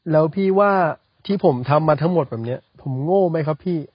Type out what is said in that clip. แล้วพี่ว่าที่ผมทำมาทั้งหมดแบบนี้ผมโง่ไหมครับพี่